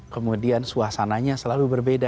kemudian suasananya selalu berbeda